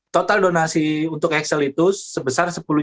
total donasi untuk axel itu sebesar sepuluh juta